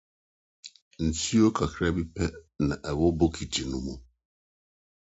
Nsu kakraa bi pɛ na ɛwɔ bokiti no mu.